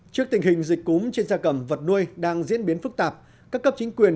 trước tình hình dịch cúm trên da cầm vật nuôi đang diễn biến phức tạp các cấp chính quyền